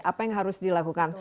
apa yang harus dilakukan